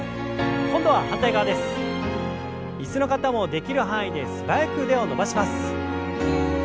椅子の方もできる範囲で素早く腕を伸ばします。